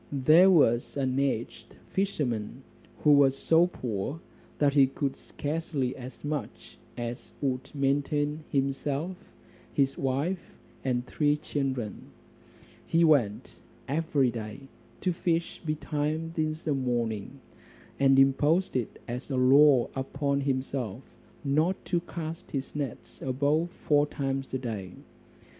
There was an aged fisherman, who was so poor, that he could scarcely as much as would maintain himself, his wife, and three children. He went every day to fish betimes in the morning; and imposed it as a law upon himself, not to cast his nets above four times a day.